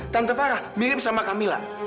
tante farah mirip sama kamila